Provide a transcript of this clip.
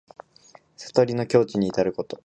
悟りの境地にいたること。